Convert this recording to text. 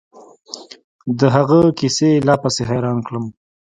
د هغه کيسې لا پسې حيران کړم.